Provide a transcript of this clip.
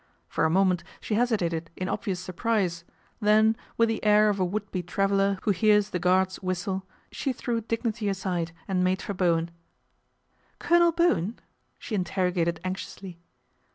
For a moment she hesitated in obvious surprise, then, with the air of a would be traveller who hears the guard's whistle, she threw dignity aside and made for Bowen. " Colonel Bowen ?" she interrogated anxi ously.